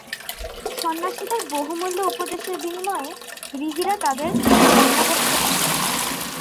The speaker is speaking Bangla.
সন্ন্যাসীদের বহুমূল্য উপদেশের বিনিময়ে গৃহীরা তাদের অন্নবস্ত্র দেয়।